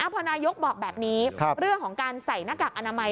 พอนายกบอกแบบนี้เรื่องของการใส่หน้ากากอนามัย